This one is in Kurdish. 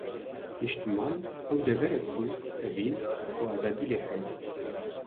Niştiman ew dever e ku, evîn û azadî lê heye.